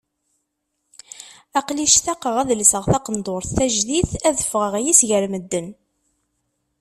Aql-i ctaqeɣ ad lseɣ taqendurt tajdidt ad ffɣeɣ yis-s gar medden.